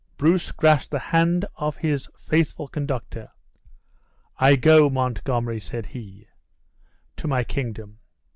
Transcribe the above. Bruce grasped the hand of his faithful conductor. "I go, Montgomery," said he, "to my kingdom.